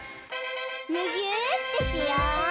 むぎゅーってしよう！